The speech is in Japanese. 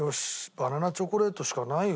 バナナチョコレートしかないよ